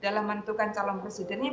dalam menentukan calon presidennya